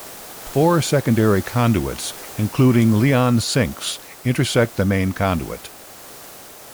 Four secondary conduits, including Leon Sinks intersect the main conduit.